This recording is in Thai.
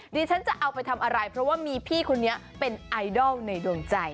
ดิฉันจะเอาไปทำอะไรเพราะว่ามีพี่คนนี้เป็นไอดอลในดวงใจ